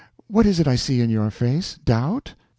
What is it I see in your face? Doubt?"